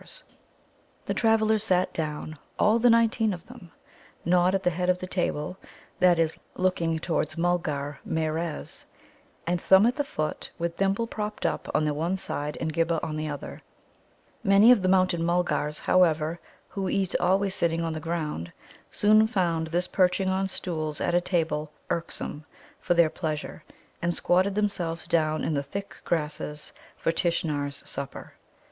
[Illustration: THEY FEASTED ON FRUITS THEY NEVER BEFORE HAD TASTED NOR KNEW TO GROW ON EARTH] The travellers sat down, all the nineteen of them, Nod at the head of the table that is, looking towards Mulgarmeerez and Thumb at the foot, with Thimble propped up on the one side and Ghibba on the other. Many of the Mountain mulgars, however, who eat always sitting on the ground, soon found this perching on stools at a table irksome for their pleasure, and squatted themselves down in the thick grasses for Tishnar's supper.